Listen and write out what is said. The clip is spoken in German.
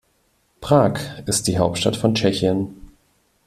Prag ist die Hauptstadt von Tschechien.